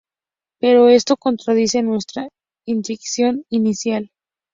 Pero esto contradice nuestra intuición inicial.